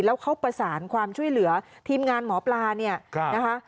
แล้วเขาประสานความช่วยเหลือทีมงานหมอปลาเนี่ยนะคะ